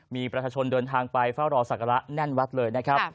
มีประชาชนเดินทางไปเฝ้ารอศักระแน่นวัดเลยนะครับ